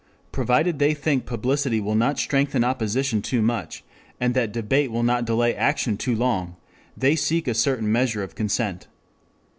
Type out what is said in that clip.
Provided they think publicity will not strengthen opposition too much, and that debate will not delay action too long, they seek a certain measure of consent.